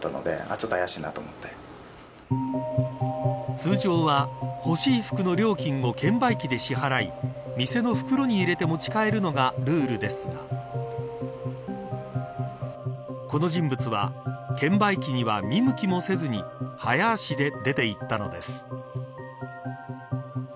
通常は、欲しい服の料金を券売機で支払い店の袋に入れて持ち帰るのがルールですがこの人物は券売機には見向きもせずに早足で出て行ったのです。